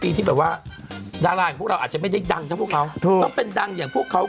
พี่ที่แต่ว่าดาราของเราอาจจะไม่ได้ดั่งจับว่าเป็นดังอย่างพวกเขา